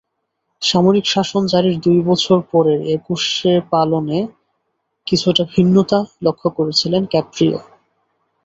সামরিক শাসন জারির দুই বছর পরের একুশে পালনে কিছুটা ভিন্নতা লক্ষ করেছিলেন ক্যাপ্রিও।